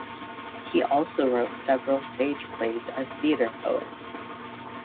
He also wrote several stage plays as theatre poet.